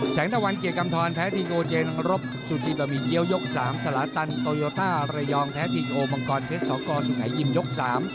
งตะวันเกียรติกำทรแพ้ทีโกเจนรบสุจิบะหมี่เกี้ยวยก๓สลาตันโตโยต้าระยองแพ้ทีโอมังกรเพชรสกสุงหายิมยก๓